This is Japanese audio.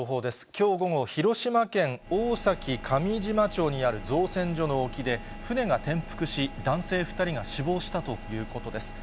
きょう午後、広島県大崎上島町にある造船所の沖で、船が転覆し、男性２人が死亡したということです。